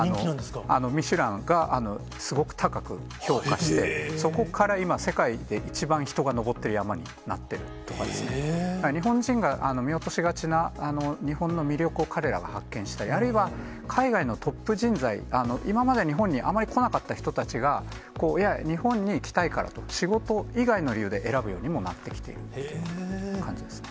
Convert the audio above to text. ミシュランがすごく高く評価して、そこから今、世界で一番人が登っている山になってるとかですね、日本人が見落としがちな日本の魅力を彼らが発見したり、あるいは海外のトップ人材、今まで日本にあまり来なかった人たちが、日本に来たいからと、仕事以外の理由で選ぶようにもなってきているという感じですね。